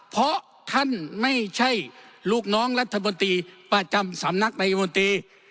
เพราะท่านไม่ใช่ลูกน้องรัฐมนตรีประจำสำนักนายมนตรี